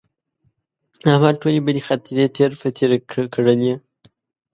احمد ټولې بدې خاطرې تېر په تېره کړلې.